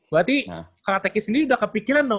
berarti kak teki sendiri udah kepikiran